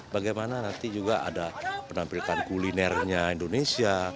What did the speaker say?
bagaimana nanti juga ada penampilan kulinernya indonesia